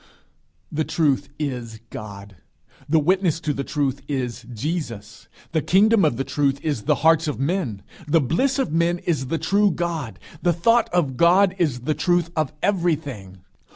The truth is God; the witness to the truth is Jesus. The kingdom of the truth is the hearts of men. The bliss of men is the true God. The thought of God is the truth of everything.